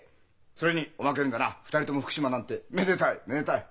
それにおまけにだな２人とも福島なんてめでたいめでたい！